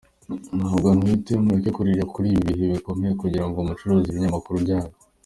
Ntabwo ntwite, mureke kuririra kuri ibi bihe bikomeye kugira ngo mucuruze ibinyamakuru byanyu.